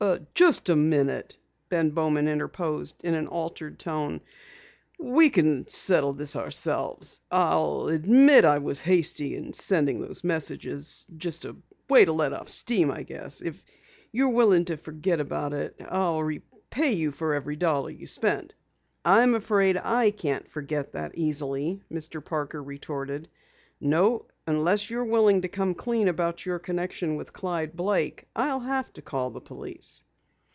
"Just a minute," Ben Bowman interposed in an altered tone. "We can settle this ourselves. I'll admit I was hasty in sending those messages just a way to let off steam, I guess. If you're willing to forget about it I'll repay you for every dollar you spent." "I'm afraid I can't forget that easily," Mr. Parker retorted. "No, unless you're willing to come clean about your connection with Clyde Blake I'll have to call the police."